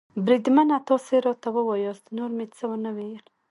بریدمنه، تاسې راته ووایاست، نور مې څه و نه ویل.